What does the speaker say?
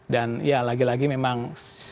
dan ya lagi lagi memang